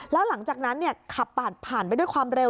แล้วหลังจากนั้นขับผ่านไปด้วยความเร็ว